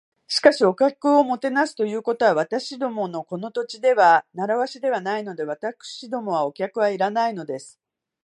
「しかし、お客をもてなすということは、私どものこの土地では慣わしではないので。私どもはお客はいらないのです」